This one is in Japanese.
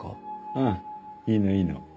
うんいいのいいの。